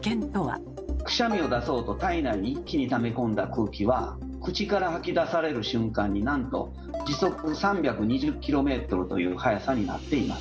くしゃみを出そうと体内に一気にため込んだ空気は口から吐き出される瞬間になんと時速３２０ｋｍという速さになっています。